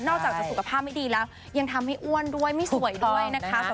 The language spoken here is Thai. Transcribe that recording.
อกจากจะสุขภาพไม่ดีแล้วยังทำให้อ้วนด้วยไม่สวยด้วยนะคะ